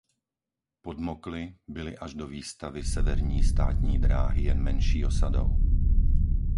Podmokly byly až do výstavby Severní státní dráhy jen menší osadou.